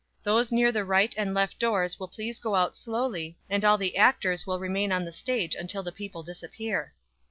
"Those near the right and left doors will please go out slowly, and all the actors will remain on the stage until the people disappear."